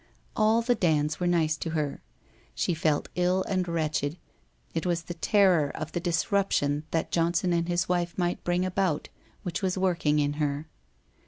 All the Dands were nice to her. She felt ill and wretched. It was the terror of the disruption that Johnson and bis wife might bring about, which was work ing in her.